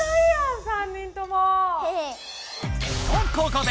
とここで！